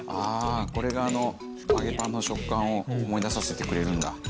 これがあの揚げパンの食感を思い出させてくれるんだ。